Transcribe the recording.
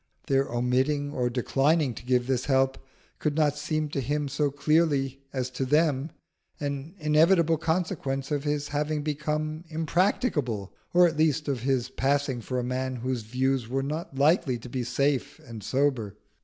Their omitting or declining to give this help could not seem to him so clearly as to them an inevitable consequence of his having become impracticable, or at least of his passing for a man whose views were not likely to be safe and sober.